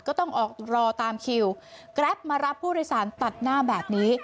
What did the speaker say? ก็ต้องออกรอตามคิวแกรปมารับผู้โดยสารตัดหน้าแบบนี้